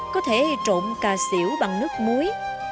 có thể trộn cà xỉu bằng nước muối